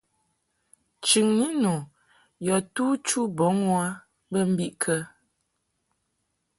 Chɨŋni nu yɔ tu chu bɔŋ u a bə mbiʼ kə ?